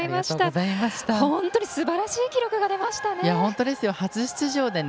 本当にすばらしい記録が出ましたね。